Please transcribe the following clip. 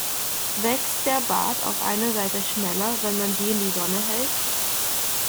Wächst der Bart auf einer Seite schneller, wenn man sie in die Sonne hält?